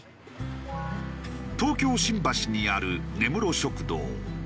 東京新橋にある根室食堂。